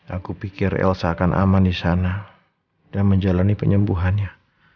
aku pikir elsa akan aman disana dan menjalani penyembuhannya